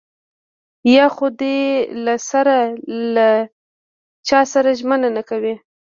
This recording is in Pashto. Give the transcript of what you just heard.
يا خو دې له سره له چاسره ژمنه نه کوي.